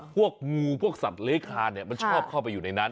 พวกงูพวกสัตว์เลื้อยคานมันชอบเข้าไปอยู่ในนั้น